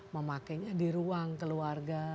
memakainya di ruang keluarga